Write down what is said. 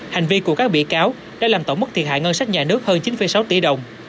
hành vi của các bị cáo đã làm tổng mức thiệt hại ngân sách nhà nước hơn chín sáu tỷ đồng